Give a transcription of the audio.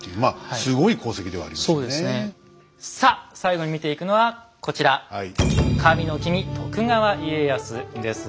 さあ最後に見ていくのはこちら神の君徳川家康です。